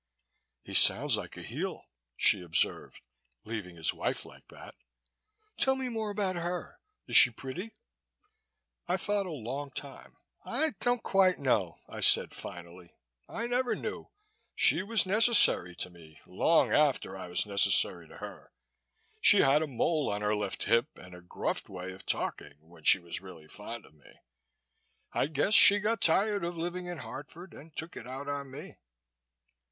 "He sounds like a heel," she observed, "leaving his wife like that. Tell me more about her. Is she pretty?" I thought a long time. "I don't quite know," I said finally. "I never knew. She was necessary to me, long after I was necessary to her. She had a mole on her left hip and a gruff way of talking when she was really fond of me. I guess she got tired of living in Hartford and took it out on me."